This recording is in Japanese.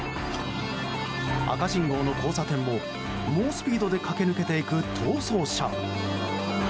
赤信号の交差点も猛スピードで駆け抜けていく逃走車。